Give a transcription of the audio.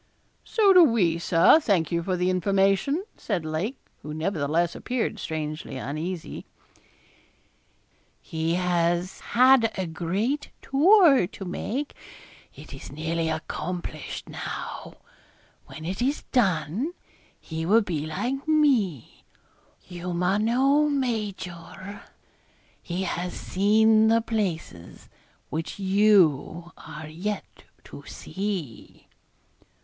'So do we, Sir; thank you for the information,' said Lake, who nevertheless appeared strangely uneasy. 'He has had a great tour to make. It is nearly accomplished now; when it is done, he will be like me, humano major. He has seen the places which you are yet to see.'